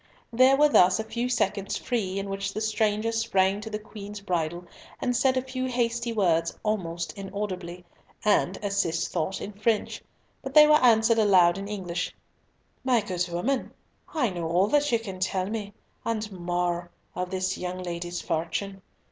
There were thus a few seconds free, in which the stranger sprang to the Queen's bridle and said a few hasty words almost inaudibly, and as Cis thought, in French; but they were answered aloud in English—"My good woman, I know all that you can tell me, and more, of this young lady's fortune.